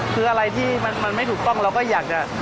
คืออะไรที่มันไม่ถูกต้องเราก็อยากจะ